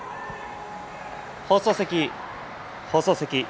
放送席、放送席。